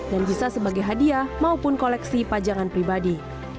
dan bisa sebagai hadiah maupun koleksi pajangan pribadi